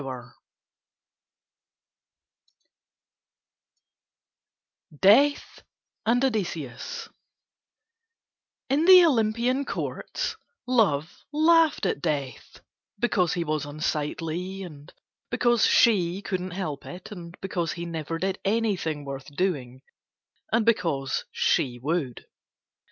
DEATH AND ODYSSEUS In the Olympian courts Love laughed at Death, because he was unsightly, and because She couldn't help it, and because he never did anything worth doing, and because She would.